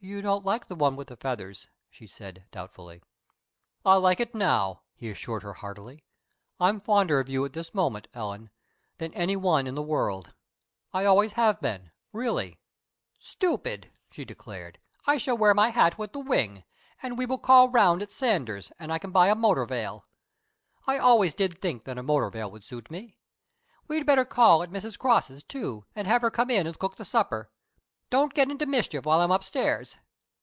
"You don't like the one with the feathers," she said, doubtfully. "I like it now," he assured her heartily. "I'm fonder of you at this moment, Ellen, than any one in the world. I always have been, really." "Stupid!" she declared. "I shall wear my hat with the wing and we will call around at Saunders' and I can buy a motor veil. I always did think that a motor veil would suit me. We'd better call at Mrs. Cross's, too, and have her come in and cook the supper. Don't get into mischief while I'm upstairs."